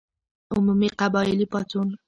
عمومي قبایلي پاڅون.